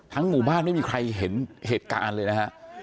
หมู่บ้านไม่มีใครเห็นเหตุการณ์เลยนะฮะ